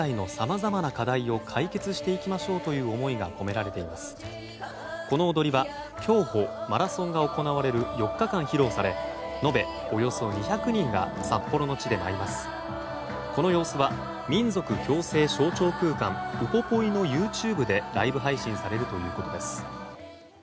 この様子は民族共生象徴空間ウポポイのＹｏｕＴｕｂｅでライブ配信されるということです。